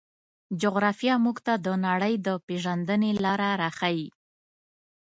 جغرافیه موږ ته د نړۍ د پېژندنې لاره راښيي.